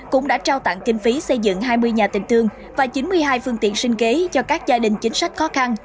cũng đã trao tặng kinh phí xây dựng hai mươi nhà tình thương và chín mươi hai phương tiện sinh kế cho các gia đình chính sách khó khăn